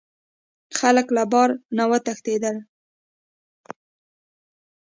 خلک له بار نه وتښتیدل.